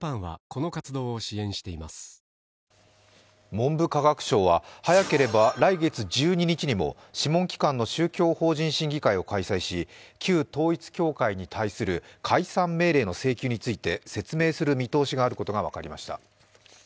文部科学省は早ければ来月１２日にも諮問機関の宗教法人審議会を開催し旧統一教会に対する解散命令の請求について説明する見通しであることが分かりました。